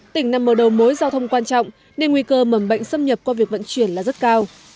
tỉnh nằm ở đầu mối giao thông quan trọng nên nguy cơ mầm bệnh xâm nhập qua việc vận chuyển là rất cao